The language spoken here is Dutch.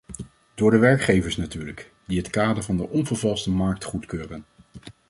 Door de werkgevers natuurlijk, die het kader van de onvervalste markt goedkeuren.